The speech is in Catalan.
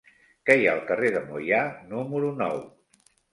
Què hi ha al carrer de Moià número nou?